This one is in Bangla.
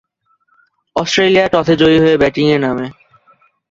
অস্ট্রেলিয়া টসে জয়ী হয়ে ব্যাটিংয়ে নামে।